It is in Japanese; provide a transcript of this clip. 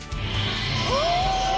お！